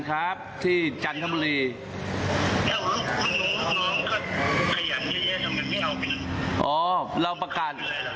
ครับไหมไม่เอาไปอ๋อเราประกัน